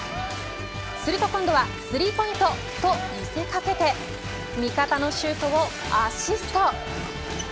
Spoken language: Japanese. すると今度はスリーポイント、と見せ掛けて味方のシュートをアシスト。